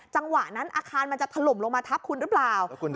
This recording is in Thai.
จังหวะนั้นอาคารมันจะถล่มลงมาทับคุณหรือเปล่า